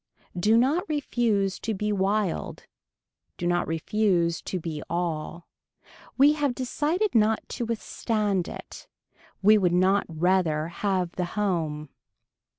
Do not refuse to be wild. Do not refuse to be all. We have decided not to withstand it. We would not rather have the home.